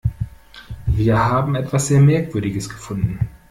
Wir haben etwas sehr Merkwürdiges gefunden.